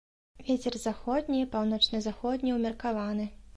Вецер заходні, паўночна-заходні ўмеркаваны.